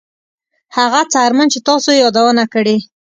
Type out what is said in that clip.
هغه څرمن چې تاسو یې یادونه کړې